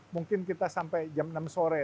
mungkin kita sampai jam enam sore